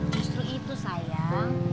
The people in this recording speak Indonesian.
justru itu sayang